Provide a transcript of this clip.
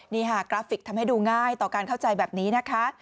นี่ค่ะกราฟิกทำให้ดูง่ายต่อการเข้าใจแบบนี้นะคะ